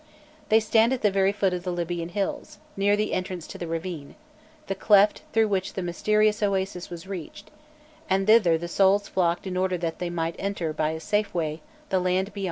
[] They stand at the very foot of the Libyan hills, near the entrance to the ravine the "Cleft" through which the mysterious oasis was reached, and thither the souls flocked in order that they might enter by a safe way the land beyond the grave.